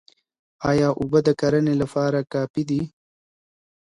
ايا اوبه د کرني لپاره کافي دي؟